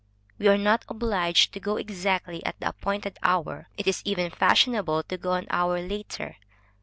We are not obliged to go exactly at the appointed hour; it is even fashionable to go an hour later.